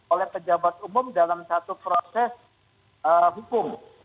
oleh pejabat umum dalam satu proses hukum